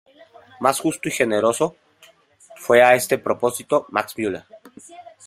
Más justo y generoso fue a este propósito Max Müller.